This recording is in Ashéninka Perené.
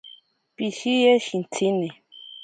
Pishiye shintsini.